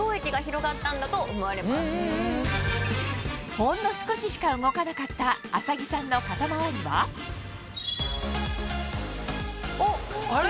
ほんの少ししか動かなかった麻木さんの肩回りはあれ？